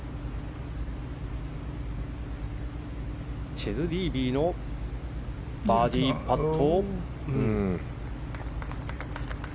チェズ・リービーのバーディーパット。